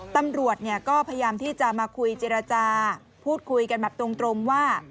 ตำรวจก็พยายามที่จะมาคุยเจรจาพูดคุยกันแบบตรงว่า